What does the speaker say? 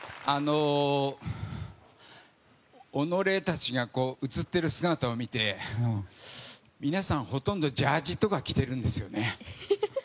己たちが映っている姿を見て皆さん、ほとんどジャージーとか着てるんですよね。